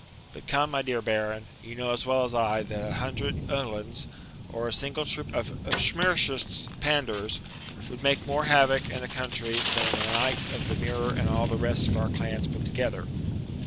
But come, my dear Baron, you know as well as I that a hundred Uhlans, or a single troop of Schmirschitz's Pandours, would make more havoc in a country than the knight of the mirror and all the rest of our clans put together.'